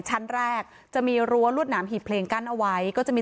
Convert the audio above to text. ชั้นแรกจะมีรั้วรวดหนามหีบเพลงกั้นเอาไว้ก็จะมี